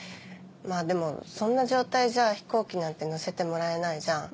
でもそんな状態じゃ飛行機なんて乗せてもらえないじゃん。